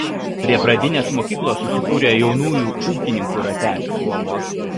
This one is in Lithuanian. Prie pradinės mokyklos susikūrė jaunųjų ūkininkų ratelis.